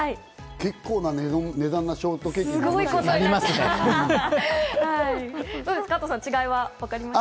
結構な値段なショートケーキになりますよ。